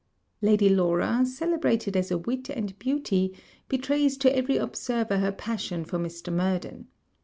Lady Laura, celebrated as a wit and beauty, betrays to every observer her passion for Mr. Murden.